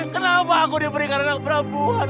kenapa aku diberikan anak perempuan